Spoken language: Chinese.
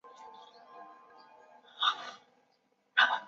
尤其是履带常常出问题。